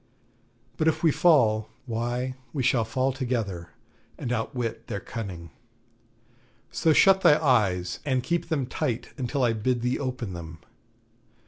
But if we fall, why, we shall fall together, and outwit their cunning. So shut thy eyes, and keep them tight until I bid thee open them.'